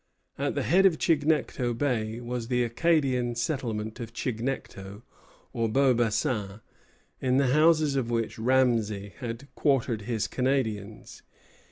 At the head of Chignecto Bay was the Acadian settlement of Chignecto, or Beaubassin, in the houses of which Ramesay had quartered his Canadians.